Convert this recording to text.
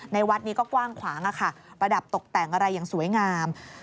วัดนี้ก็กว้างขวางประดับตกแต่งอะไรอย่างสวยงาม